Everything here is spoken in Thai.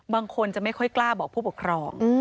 บางคนจะไม่ค่อยกล้าบอกผู้ปกครอง